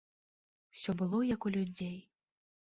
Усё было як у людзей.